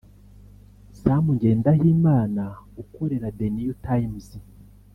Sam Ngendahimana ukorera The New Times